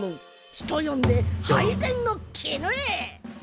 人呼んで配膳のキヌエ！